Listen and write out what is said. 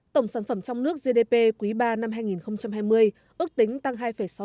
tổng sản phẩm trong nước gdp quý ba năm hai nghìn hai mươi ước tính tăng hai sáu